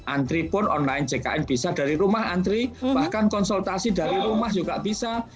antri pun online jkn bisa dari rumah antri bahkan konsultasi dari rumah juga bisa